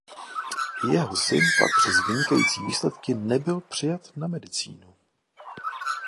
Jeho syn pak přes vynikající výsledky nebyl přijat na medicínu.